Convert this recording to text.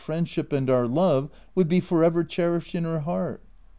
281 friendship and our love would be for ever cherished in her heart.